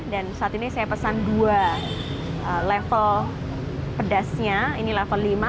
dan saat ini saya pesan dua level pedasnya